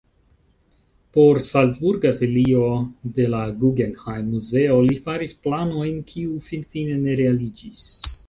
Por salcburga filio de la Guggenheim-muzeo li faris planojn, kiu finfine ne realiĝis.